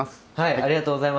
ありがとうございます。